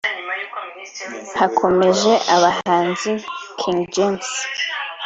Hakomeje abahanzi King James